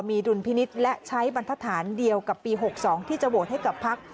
มีดุลพินิษฐ์และใช้บรรทฐานเดียวกับปี๖๒ที่จะโหวตให้กับพัก